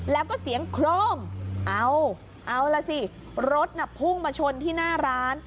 แล้วก็เสียงโครมเอาล่ะสิรถน่ะพุ่งมาชนที่หน้าร้าน